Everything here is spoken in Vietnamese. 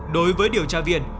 đối với điều tra viên